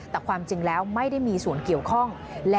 แต่ความจริงแล้วไม่ได้มีส่วนเกี่ยวข้อง